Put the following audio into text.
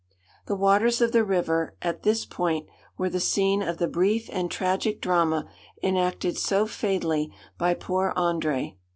The waters of the river at this point were the scene of the brief and tragic drama enacted so fatally by poor André.